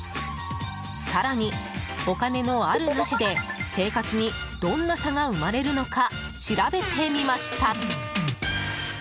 更にお金のある、なしで生活にどんな差が生まれるのか調べてみました。